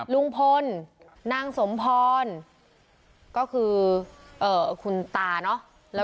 ลุงพนธรรมดรณ์นางสมพรนก็คือคุณตาเนอะ